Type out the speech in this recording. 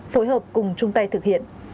phối hợp cùng chung tay thực hiện